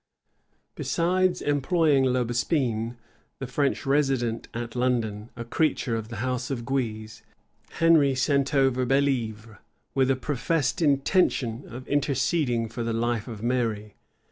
Besides employing L'Aubespine, the French resident at London, a creature of the house of Guise, Henry sent over Bellièvre, with a professed intention of interceding for the life of Mary.